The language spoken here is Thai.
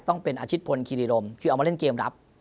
ต้องเป็นอาชิตพลคีรีรมคือเอามาเล่นเกมรับ